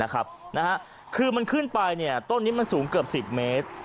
นะครับคือมันขึ้นไปเนี่ยต้นนี่มันสูงเกิบสิบเมตร